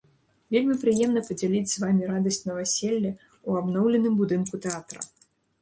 Вельмі прыемна падзяліць з вамі радасць наваселля ў абноўленым будынку тэатра.